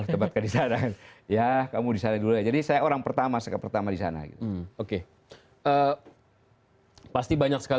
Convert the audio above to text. ketepatkan disana ya kamu disana dulu jadi saya orang pertama sekepertama disana oke pasti banyak